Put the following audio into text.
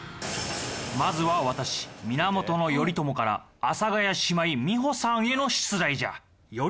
まずは私源頼朝から阿佐ヶ谷姉妹美穂さんへの出題じゃ。